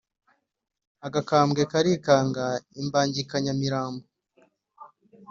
Agakambwe karikanga imbangikanyamirambo